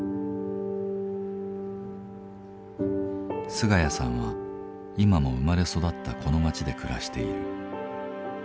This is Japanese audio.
菅家さんは今も生まれ育ったこの町で暮らしている。